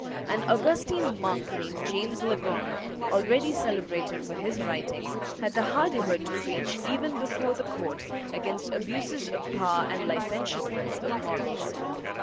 An Augustine monk, named James Legrand, already celebrated for his writings, had the hardihood to preach even before the court against abuses of power and licentiousness of morals.